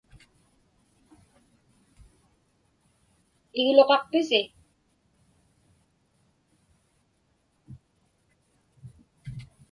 Igluqaqpisi?